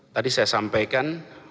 tadi saya sampaikan